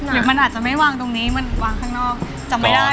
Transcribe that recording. หรือมันอาจจะไม่วางตรงนี้มันวางข้างนอกจำไม่ได้